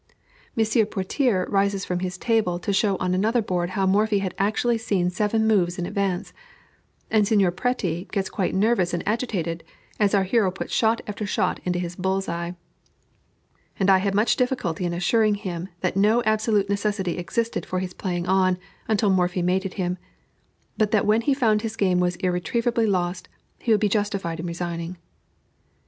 Monsieur Potier rises from his table to show on another board how Morphy had actually seen seven moves in advance; and Signor Préti gets quite nervous and agitated as our hero puts shot after shot into his bull's eye; and I had much difficulty in assuring him that no absolute necessity existed for his playing on, until Morphy mated him; but that when he found his game was irretrievably lost, he would be justified in resigning.